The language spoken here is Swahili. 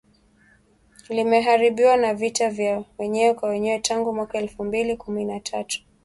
limeharibiwa na vita vya wenyewe kwa wenyewe tangu mwaka elfu mbili kumi na tatu